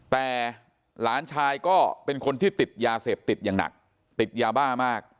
แต่หลานชายก็เป็นคนที่ติดยาเสพติดอย่างหนักติดยาบ้ามาก